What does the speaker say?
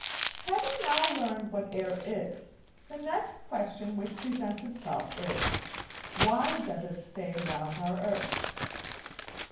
Having now learned what air is, the next question which presents itself is, Why does it stay round our earth?